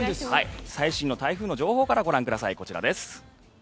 最新の台風の情報からご覧ください、こちらです。